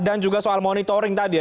dan juga soal monitoring tadi ya